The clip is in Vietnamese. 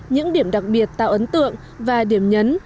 những điểm đặc biệt tạo ấn tượng và điểm nhấn